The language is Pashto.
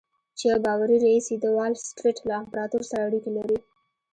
چې يو باوري رييس يې د وال سټريټ له امپراتور سره اړيکې لري.